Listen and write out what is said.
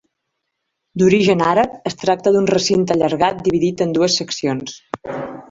D'origen àrab, es tracta d'un recinte allargat dividit en dues seccions.